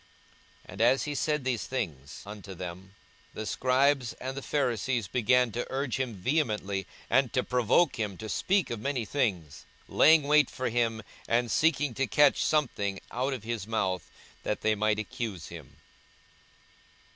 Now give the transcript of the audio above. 42:011:053 And as he said these things unto them, the scribes and the Pharisees began to urge him vehemently, and to provoke him to speak of many things: 42:011:054 Laying wait for him, and seeking to catch something out of his mouth, that they might accuse him.